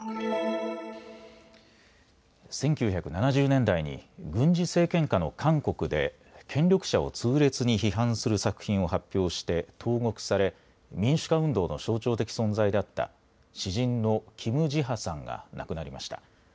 １９７０年代に軍事政権下の韓国で権力者を痛烈に批判する作品を発表して投獄され民主化運動の象徴的存在だった詩人のキム・ジハさんが亡くなりました。